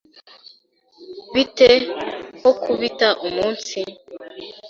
Bite ho kubita umunsi?